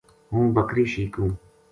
ہوں بکری شیکوں